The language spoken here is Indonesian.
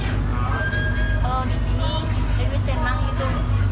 kalau di sini lebih senang gitu